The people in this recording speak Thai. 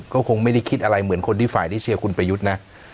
ก็คงไม่ได้คิดอะไรเหมือนคนที่ฝ่ายที่เชียร์คุณประยุทธ์นะ